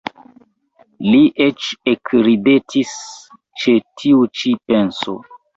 Li eĉ ekridetis ĉe tiu ĉi penso.